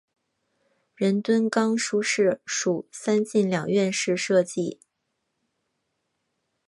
仁敦冈书室属三进两院式设计。